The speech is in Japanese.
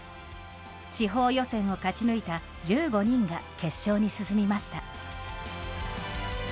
地方予選を勝ち抜いた１５人が決勝に進みました。